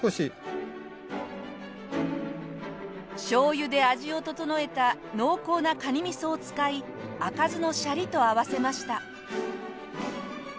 しょうゆで味を調えた濃厚なカニミソを使い赤酢のシャリと合わせました。